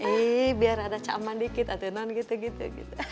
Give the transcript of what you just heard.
ini biar ada caman dikit atau non gitu gitu